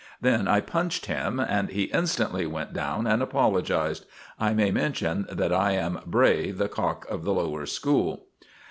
Then I punched him, and he instantly went down and apologized. I may mention that I am Bray, the cock of the Lower School.